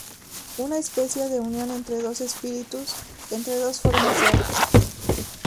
Una especia de unión entro dos espíritus, entre dos formas de arte.